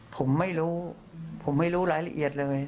ผมไม่รู้ผมไม่รู้รายละเอียดเลย